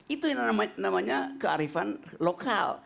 itu yang namanya kearifan lokal